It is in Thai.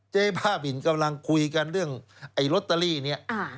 เจ๊บ้าบินกำลังคุยกันเรื่องไอ้ลอตเตอรี่เนี่ย